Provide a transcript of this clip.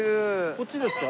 こっちですか？